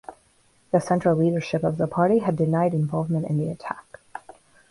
The central leadership of the party had denied involvement in the attack.